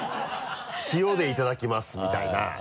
「塩でいただきます」みたいな。